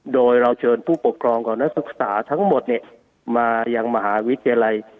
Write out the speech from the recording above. โดยเราเชิญผู้ปกครองของนักศึกษาทั้งหมดมายังมหาวิทยาลัย